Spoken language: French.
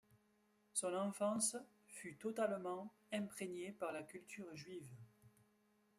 Son enfance fut totalement imprégnée par la culture juive.